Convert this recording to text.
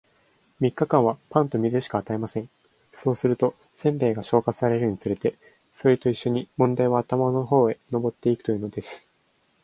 三日間は、パンと水しか与えません。そうすると、煎餅が消化されるにつれて、それと一しょに問題は頭の方へ上ってゆくというのです。